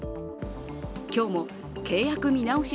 今日も契約見直し